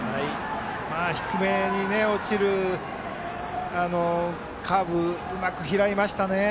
低めに落ちるカーブをうまく拾いましたね。